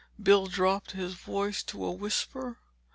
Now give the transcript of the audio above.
Bill dropped his voice to a whisper.